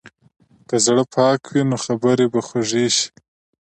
که زړه پاک وي، نو خبرې به خوږې شي.